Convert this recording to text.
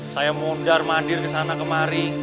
saya mondar mandir ke sana kemari